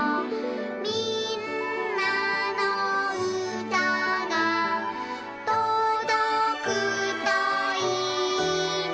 「みんなのうたがとどくといいな」